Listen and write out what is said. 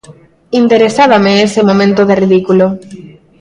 Interesábame ese momento de ridículo.